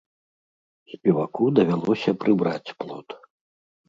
Спеваку давялося прыбраць плот.